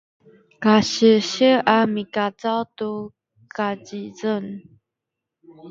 kasilsil a mikacaw tu kazizeng